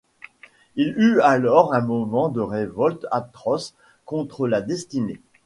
Il eut alors un moment de révolte atroce contre la destinée.